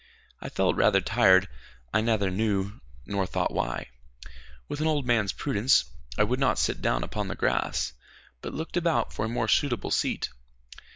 I felt rather tired, I neither knew nor thought why. With an old man's prudence, I would not sit down upon the grass, but looked about for a more suitable seat.